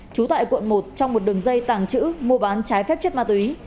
chú tại quận một trong một đường dây tàng chữ mua bán trái phép chất ma túy